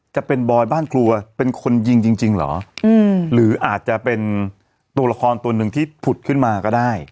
บอยบ้านครัวเป็นคนยิงจริงเหรอหรืออาจจะเป็นตัวละครตัวหนึ่งที่ผุดขึ้นมาก็ได้